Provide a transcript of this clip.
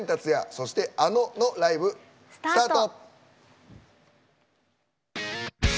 そして ａｎｏ のライブ、スタート。